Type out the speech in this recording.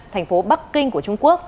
thành phố bắc kinh